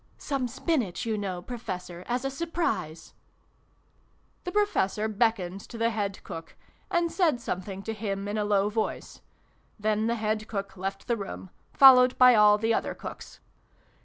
" Some spinach, you know, Professor, as a surprise." The Professor beckoned to the Head Cook, and said something to him in a low voice. Then the Head Cook left the room, followed by all the other cooks.